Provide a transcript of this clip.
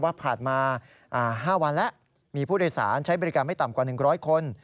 ผ่านมา๕วันแล้วมีผู้โดยสารใช้บริการไม่ต่ำกว่า๑๐๐คน